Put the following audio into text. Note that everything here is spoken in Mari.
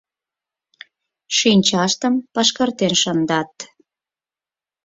Шинчаштым пашкартен шындат.